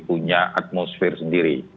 punya atmosfer sendiri